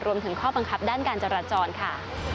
รวมถึงข้อบังคับด้านการจราจรค่ะ